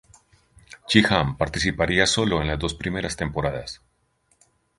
Sheehan participaría sólo en las dos primeras temporadas.